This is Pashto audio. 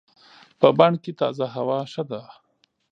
په بڼ کې تازه هوا ښه ده.